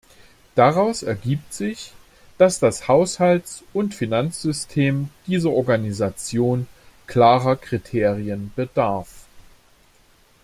Daraus ergibt sich, dass das Haushalts- und Finanzsystem dieser Organisation klarer Kriterien bedarf.